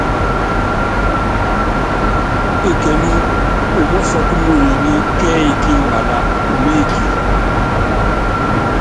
Ekelú umɔ́sɔ́k muenyi kɛ́ɛ́y kí imbalá uméeki.